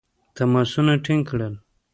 تماسونه ټینګ کړل.